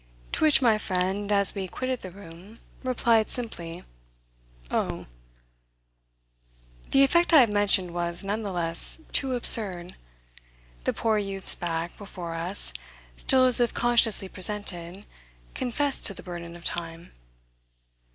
To which my friend, as we quitted the room, replied simply: "Oh!" The effect I have mentioned was, none the less, too absurd. The poor youth's back, before us, still as if consciously presented, confessed to the burden of time.